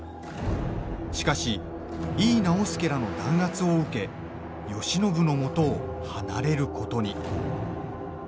しかし、井伊直弼らの弾圧を受け慶喜のもとを離れることに。